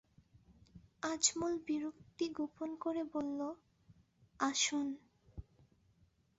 আজমল বিরক্তি গোপন করে বলল, আসুন।